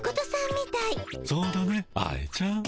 そうだね愛ちゃん。